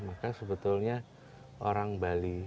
maka sebetulnya orang bali